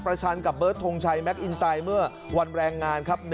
ชันกับเบิร์ดทงชัยแมคอินไตเมื่อวันแรงงานครับ